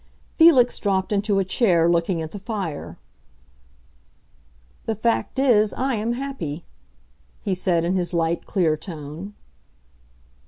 Felix dropped into a chair, looking at the fire. "The fact is I am happy," he said in his light, clear tone.